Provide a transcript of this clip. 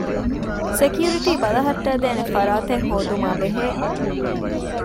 ސެކިއުރިޓީ ބަލައްޓައިދޭނެ ފަރާތެއް ހޯދުމާއި ބެހޭ